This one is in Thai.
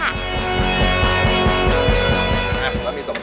แล้วมีส่วนส่วนไหนครับ